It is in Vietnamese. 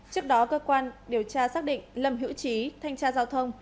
trước đó cơ quan điều tra xác định lâm hữu trí thanh tra giao thông